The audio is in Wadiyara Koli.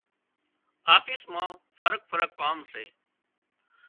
آفيس مان فرق فرق ڪام سي۔